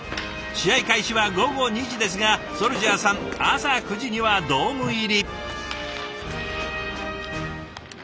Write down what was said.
試合開始は午後２時ですがＳＯＵＬＪＡＨさん朝９時にはドーム入り。